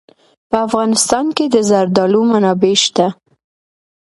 په افغانستان کې د زردالو منابع شته.